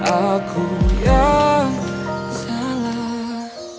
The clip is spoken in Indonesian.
aku yang salah